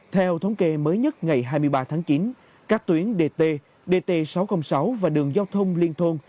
theo thống kê mới nhất ngày hai mươi ba tháng chín các tuyến dt dt sáu trăm linh sáu và đường giao thông liên thôn